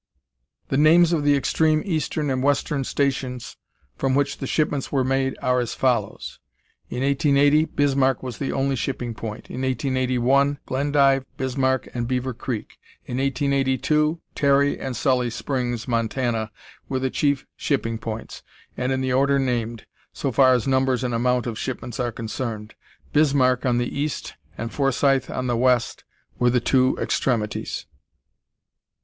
"The names of the extreme eastern and western stations from which shipments were made are as follows: In 1880, Bismarck was the only shipping point. In 1881, Glendive, Bismarck, and Beaver Creek. In 1882, Terry and Sully Springs, Montana, were the chief shipping points, and in the order named, so far as numbers and amount of shipments are concerned. Bismarck on the east and Forsyth on the west were the two extremities.